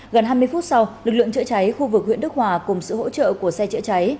gần hai mươi phút sau lực lượng chữa cháy khu vực huyện đức hòa cùng sự hỗ trợ của xe chữa cháy